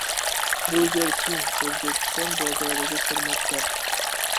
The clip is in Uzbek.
Burger King O‘zbekiston bozoriga kirmoqda